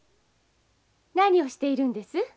何をしているんです？